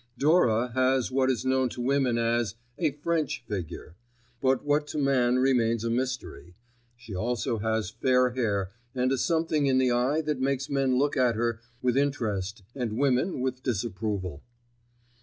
Dora has what is known to women as "a French figure"; but what to man remains a mystery; she also has fair hair and a something in the eye that makes men look at her with interest and women with disapproval.